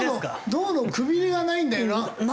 胴のくびれがないんだよな。